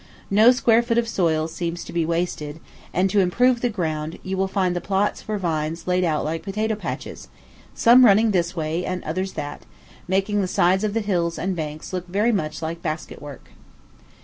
No square foot of soil seems to be wasted; and, to improve the ground, you will find the plots for vines laid out like potato patches, some running this way, and others that, making the sides of the hills and banks look very much like basket work.